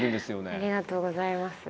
ありがとうございます。